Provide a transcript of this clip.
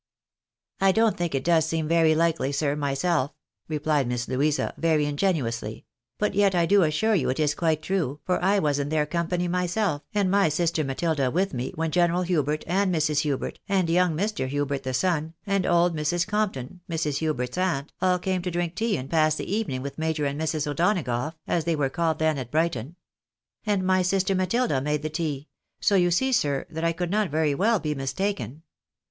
" I don't think it does seem very likely, sir, myself," replied Miss Louisa, very ingenuously ;" but yet I do assure you it is quite true, for I was in their company myself, and my sister Matilda with me, when General Hubert, and Mrs. Hubert, and young Mr. Hubert the son, and old Mrs. Compton, Mrs. Hubert's aunt, all came to drink tea and pass the evening with Major and Mrs. O'Donagough, as they were called then at Brighton. And my sister Matilda made the tea ; so you see, sir, that I could not very well be mistaken."